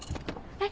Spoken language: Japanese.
えっ？